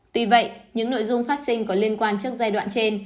tuy vậy những nội dung phát sinh có liên quan trước giai đoạn trên